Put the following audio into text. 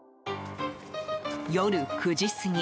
夜９時過ぎ。